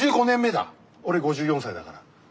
俺５４歳だから。